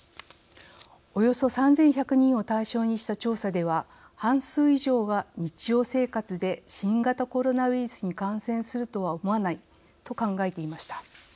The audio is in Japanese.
およそ３１００人を対象にした調査では、半数以上が日常生活で新型コロナウイルスに感染するとは思わないと考えていました。